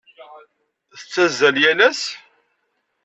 Tettazzal yal ass?